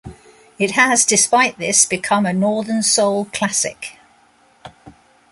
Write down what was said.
It has, despite this, become a Northern Soul classic.